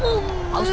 makan sate gurita